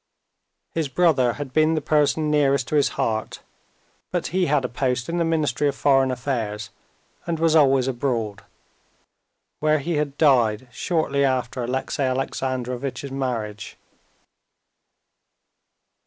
His brother had been the person nearest to his heart, but he had a post in the Ministry of Foreign Affairs, and was always abroad, where he had died shortly after Alexey Alexandrovitch's marriage.